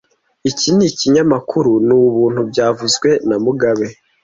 Iki kinyamakuru ni ubuntu byavuzwe na mugabe